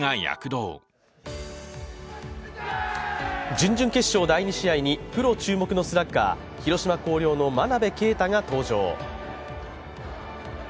準々決勝、第２試合にプロ注目のスラッガー広島・広陵の真鍋慧が登場。